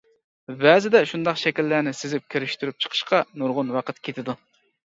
بەزىدە شۇنداق شەكىللەرنى سىزىپ كىرىشتۈرۈپ چىقىشقا نۇرغۇن ۋاقىت كېتىدۇ.